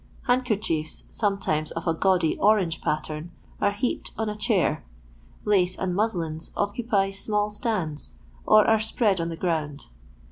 Handkerchiefs, sometimes of a gaudy orange pattern, are heaped on a chair. Lace and muslins occupy small stands or are spread on the ground.